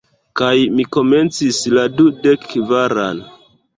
Kaj mi komencis la dudekkvaran.